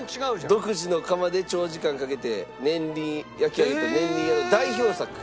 独自の窯で長時間かけて念入りに焼き上げたねんりん家の代表作。